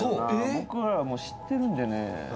僕らはもう知ってるんでね。